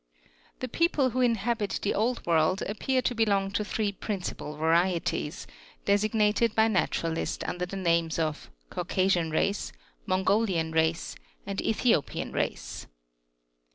12. The people who inhabit the old world appear to belong to three principal varieties, designated by naturalists under the names of Caucasian Race, Mongolian Race, and Ethiopian Race.